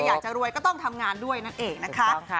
อยากจะรวยก็ต้องทำงานด้วยนั่นเองนะคะ